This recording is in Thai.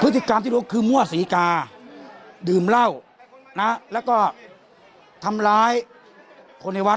พฤติกรรมที่รู้คือมั่วศรีกาดื่มเหล้านะแล้วก็ทำร้ายคนในวัด